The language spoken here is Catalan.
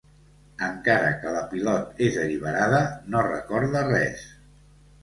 Encara que la pilot és alliberada, no recorda res.